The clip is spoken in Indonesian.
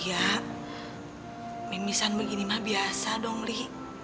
ya mimisan begini mah biasa dong li